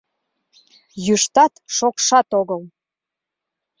Йӱштат-шокшат огыл!